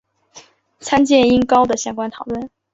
参见音高的相关讨论。